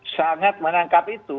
sangat menangkap itu